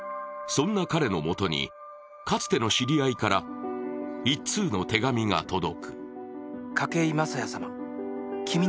そんな彼のもとに、かつての知り合いから１通の手紙が届く。